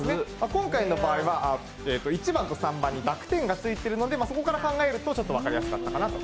今回の場合は１番と３番に濁点がついているのでそこから考えるとちょっと分かりやすかったなと。